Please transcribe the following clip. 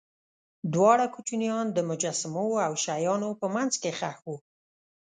دواړه کوچنیان د مجسمو او شیانو په منځ کې ښخ وو.